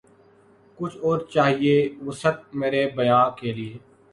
کچھ اور چاہیے وسعت مرے بیاں کے لیے